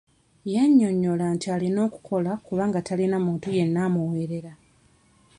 Yannyonnyola nti alina okukola kubanga talina muntu yenna amuweerera.